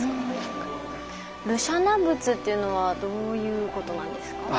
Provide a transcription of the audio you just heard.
盧舎那仏っていうのはどういうことなんですか？